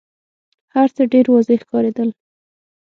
هرڅه ډېر واضح ښکارېدل.